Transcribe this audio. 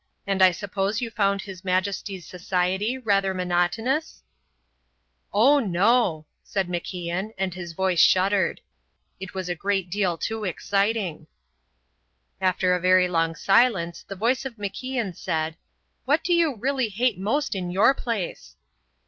And I suppose you found his Majesty's society rather monotonous?" "Oh, no," said MacIan, and his voice shuddered; "it was a great deal too exciting." After a very long silence the voice of MacIan said: "What do you really hate most in your place?"